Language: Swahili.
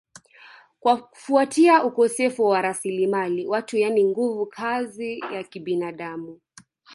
kufuatia ukosefu wa rasilimali watu yani nguvu kazi ya kibinadamu